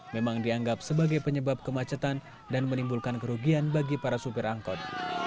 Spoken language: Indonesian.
memang dianggap sebagai penyebab kemacetan dan menimbulkan kerugian bagi para supir angkot